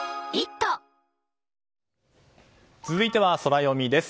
続いてはソラよみです。